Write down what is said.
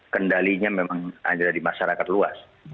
kendalinya memang hanya di masyarakat luas